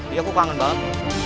iya aku pangen banget